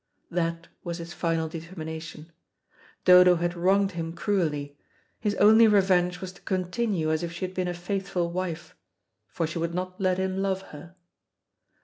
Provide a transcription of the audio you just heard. That was his final determination. Dodo had wronged him cruelly; his only revenge was to continue as if she had been a faithful wife, for she would not let him love her.